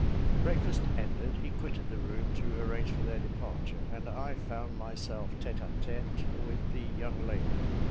Breakfast ended, he quitted the room to arrange for their departure, and I found myself tête à tête with the young lady.